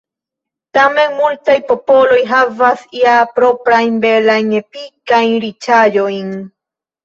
Tamen multaj popoloj havas ja proprajn belajn epikajn riĉaĵojn.